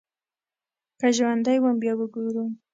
که ژوندی وم بيا به ګورو.